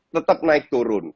tetap naik turun